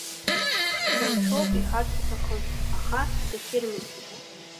Шәара шәоуп иҳәарц иҭахын, аха дахьырмыгӡеит.